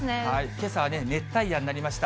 けさはね、熱帯夜になりました。